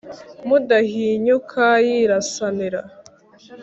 Mudahinyuka yirasanira